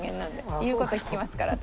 言う事聞きますから私。